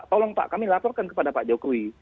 tolong pak kami laporkan kepada pak jokowi